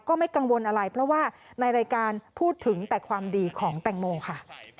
ไม่กังวลอะไรเพราะว่าในรายการพูดถึงแต่ความดีของแตงโมค่ะ